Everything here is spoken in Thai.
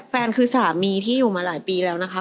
แฟนคือสามีที่อยู่มาหลายปีแล้วนะคะ